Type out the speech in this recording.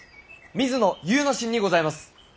水野祐之進にございます！